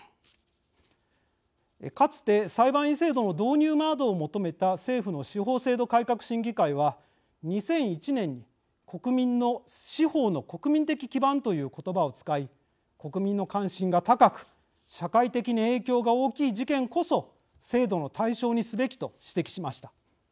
かつて裁判員制度の導入などを求めた政府の司法制度改革審議会は２００１年に国民の司法の国民的基盤という言葉を使い国民の関心が高く社会的に影響が大きい事件こそ制度の対象にすべきと指摘しました。